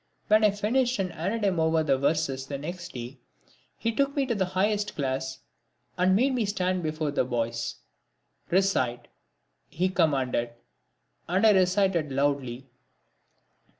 When I finished and handed him the verses next day, he took me to the highest class and made me stand before the boys. "Recite," he commanded. And I recited loudly.